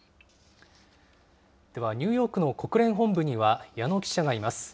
では、ニューヨークの国連本部には矢野記者がいます。